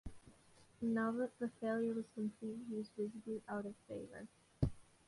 Now that the failure was complete, he was visibly out of favor.